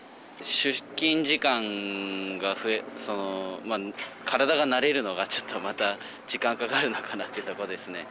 出勤時間が増えると、体が慣れるのがちょっとまた時間かかるのかなっていうところですね。